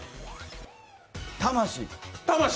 魂。